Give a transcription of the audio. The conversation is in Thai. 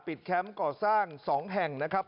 แคมป์ก่อสร้าง๒แห่งนะครับ